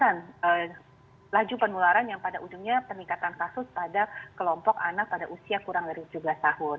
nah ini adalah sebuah laju penularan yang pada ujungnya peningkatan kasus pada kelompok anak pada usia kurang dari tujuh belas tahun